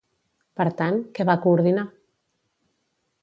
Per tant, què va coordinar?